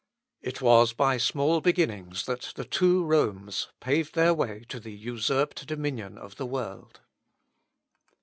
It was by small beginnings that the two Romes paved their way to the usurped dominion of the world.